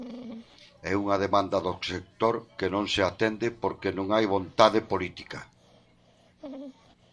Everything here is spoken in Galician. É unha demanda do sector que non se atende porque non hai vontade política.